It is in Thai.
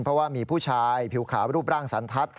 เพราะว่ามีผู้ชายผิวขาวรูปร่างสันทัศน